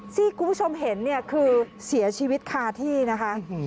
ที่คุณผู้ชมเห็นเนี่ยคือเสียชีวิตคาที่นะคะ